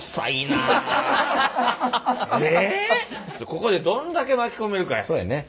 ここでどんだけ巻き込めるかやね。